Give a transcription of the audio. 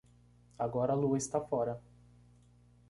Agora a lua está fora.